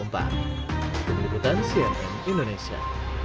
pemiliputan cnn indonesia